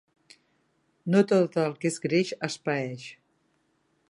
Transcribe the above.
No tot el que és greix es paeix.